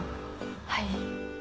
はい。